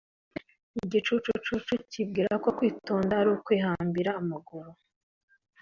Igicucu cyibwira ko kwitonda ari ukwihambira amaguru,